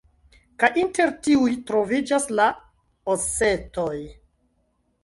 Kaj inter tiuj troviĝas la osetoj.